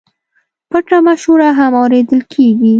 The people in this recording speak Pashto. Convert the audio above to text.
پټه مشوره هم اورېدل کېږي.